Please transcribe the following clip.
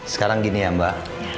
sekarang gini ya mbak